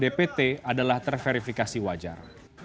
dpt adalah terverifikasi wajar